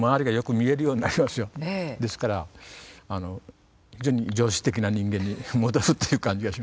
ですから非常に常識的な人間に戻るっていう感じがします。